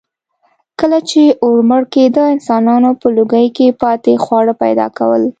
کله چې اور مړ کېده، انسانانو په لوګي کې پاتې خواړه پیدا کول.